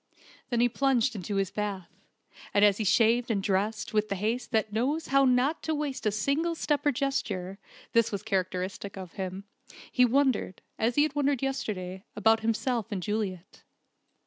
Then he plunged into his bath, and as he shaved and dressed with the haste that knows how not to waste a single step or gesture (this was characteristic of him) he wondered, as he had wondered yesterday, about himself and Juliet.